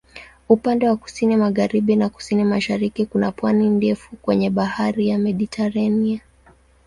Upande wa kusini-magharibi na kusini-mashariki kuna pwani ndefu kwenye Bahari ya Mediteranea.